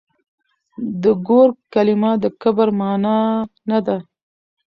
د ګور کلمه د کبر مانا نه ده.